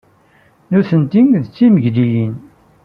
Nitenti d timegliyin.